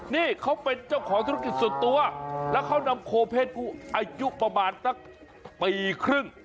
นี่เขาเป็นเจ้าของธุรกิจส่วนตัวแล้วเขานำโคเพศผู้อายุประมาณสักปีครึ่ง